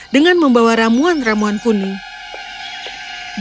dengan membawa ramuan ramuan kuning